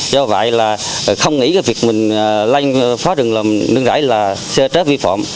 do vậy là không nghĩ việc mình lanh phá rừng làm nướng rãi là xe trớt vi phạm